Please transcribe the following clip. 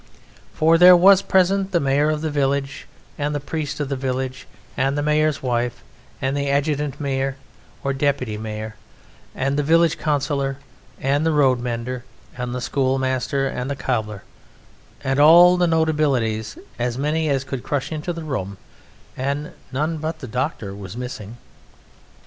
For there was present the Mayor of the village, and the Priest of the village, and the Mayor's wife, and the Adjutant Mayor or Deputy Mayor, and the village Councillor, and the Road mender, and the Schoolmaster, and the Cobbler, and all the notabilities, as many as could crush into the room, and none but the Doctor was missing.